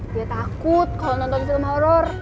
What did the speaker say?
dia takut kalau nonton film horror